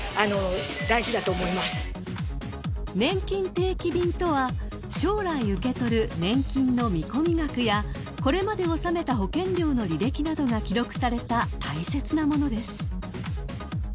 定期便とは将来受け取る年金の見込み額やこれまで納めた保険料の履歴などが記録された大切な物です］